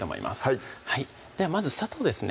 はいではまず砂糖ですね